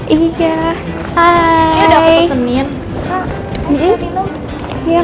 ini udah aku tukenin